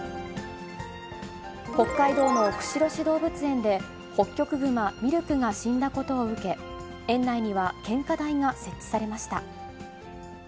北海道の釧路市動物園で、ホッキョクグマ、ミルクが死んだことを受け、園内には献花台が設置されました。